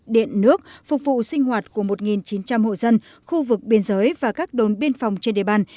điện nước phục vụ sinh hoạt của một chín trăm linh hộ dân khu vực biên giới và các đồn biên phòng trên địa bàn